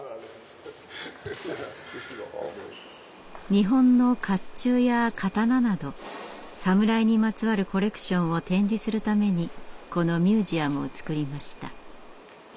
日本の甲冑や刀など「サムライ」にまつわるコレクションを展示するためにこのミュージアムを造りました。